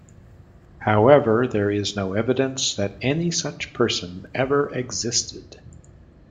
However, there is no evidence that any such person ever existed.